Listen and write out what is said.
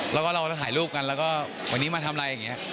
แล้วก็เราถ่ายรูปกันแล้วก็วันนี้มาทำอะไรอย่างนี้